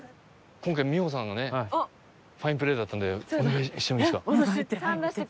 今回美穂さんがねファインプレーだったんでお願いしてもいいですか？